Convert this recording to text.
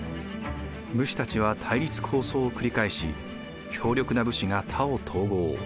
武士たちは対立抗争を繰り返し強力な武士が他を統合。